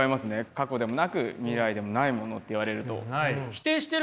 過去でもなく未来でもないものって言われると。